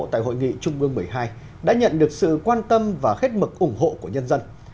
tại hội nghị trung ương một mươi hai đã nhận được sự quan tâm và khết mực ủng hộ của nhân dân